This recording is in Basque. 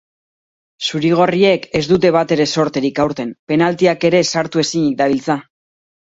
Zuri-gorriek ez dute batere zorterik aurten, penaltiak ere sartu ezinik dabiltza.